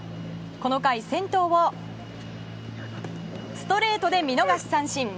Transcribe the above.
この会先頭をストレートで見逃し三振。